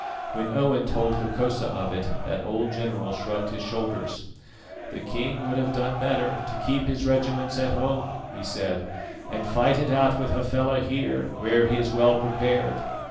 When Owen told Hokosa of it, that old general shrugged his shoulders. "The king would have done better to keep his regiments at home," he said, "and fight it out with Hafela here, where he is well prepared.